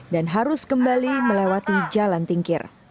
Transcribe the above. dan harus kembali melewati jalan tingkir